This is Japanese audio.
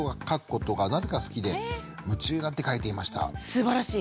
すばらしい。